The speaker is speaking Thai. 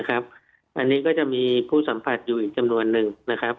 อันนี้ก็จะมีผู้สัมผัสอยู่อีกจำนวนนึงนะครับ